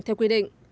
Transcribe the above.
theo quy định